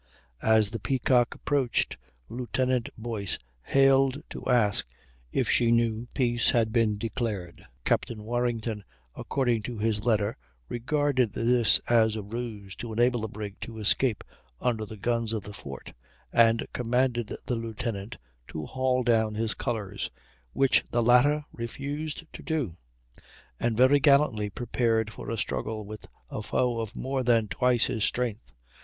As the Peacock approached, Lieut. Boyce hailed to ask if she knew peace had been declared. Captain Warrington, according to his letter, regarded this as a ruse to enable the brig to escape under the guns of the fort, and commanded the lieutenant to haul down his colors, which the latter refused to do, and very gallantly prepared for a struggle with a foe of more than twice his strength.